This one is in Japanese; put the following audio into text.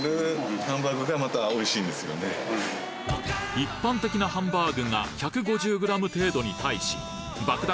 一般的なハンバーグが１５０ｇ程度に対し爆弾